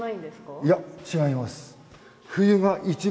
いや違います。